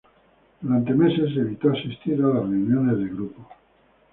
Durante meses evitó asistir a las reuniones de grupo.